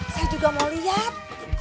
saya juga mau lihat